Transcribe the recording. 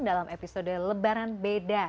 dalam episode lebaran beda